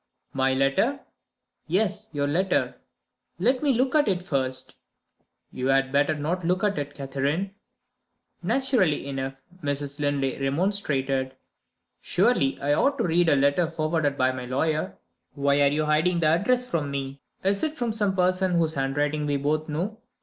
"My letter?" "Yes; your letter." "Let me look at it first." "You had better not look at it, Catherine." Naturally enough, Mrs. Linley remonstrated. "Surely I ought to read a letter forwarded by my lawyer. Why are you hiding the address from me? Is it from some person whose handwriting we both know?"